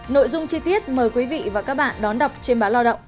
nội dung chi tiết mời quý vị và các bạn đón đọc trên báo lao động